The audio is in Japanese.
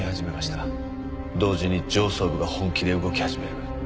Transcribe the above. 同時に上層部が本気で動き始める。